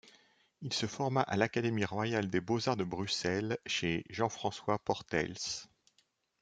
Il se forma à l'Académie royale des beaux-arts de Bruxelles chez Jean-François Portaels.